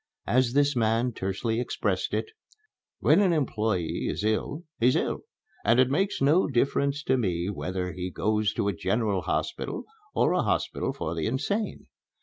As this man tersely expressed it: "When an employé is ill, he's ill, and it makes no difference to me whether he goes to a general hospital or a hospital for the insane.